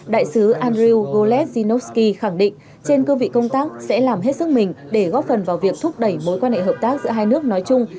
đại sứ andrew golet zzinovsky khẳng định trên cơ vị công tác sẽ làm hết sức mình để góp phần vào việc thúc đẩy mối quan hệ hợp tác giữa hai nước nói chung